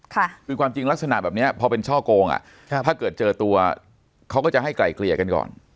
คือความจริงลักษณะแบบนี้พอเป็นช่อโกงอ่ะครับถ้าเกิดเจอตัวเขาก็จะให้ไกลเกลี่ยกันก่อน